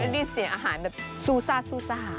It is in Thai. นี่เสียงอาหารแบบซูซ่า